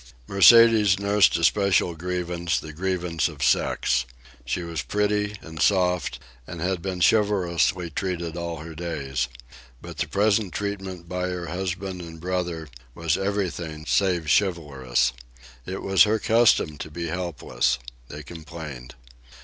Mercedes nursed a special grievance—the grievance of sex. She was pretty and soft, and had been chivalrously treated all her days. But the present treatment by her husband and brother was everything save chivalrous. It was her custom to be helpless. They complained.